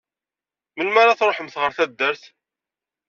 Melmi ara truḥemt ɣer taddart?